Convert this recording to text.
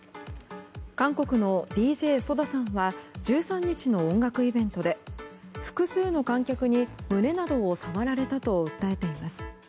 韓国のＤＪＳＯＤＡさんは１３日の音楽イベントで複数の観客に胸などを触られたと訴えています。